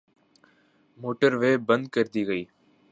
Motorway بند کردی گئی۔